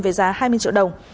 với giá hai mươi triệu đồng